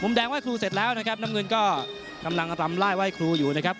แดงไห้ครูเสร็จแล้วนะครับน้ำเงินก็กำลังรำไล่ไห้ครูอยู่นะครับ